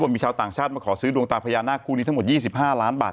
มีชาวต่างชาติมาขอซื้อดวงตาพญานาคคู่นี้ทั้งหมด๒๕ล้านบาท